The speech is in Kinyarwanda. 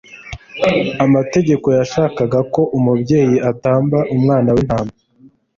Amategeko yashakaga ko umubyeyi atamba umwana w'intama